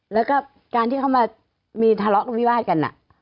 แล้วก็การที่เขามามีทะเลาะวิวาสกัน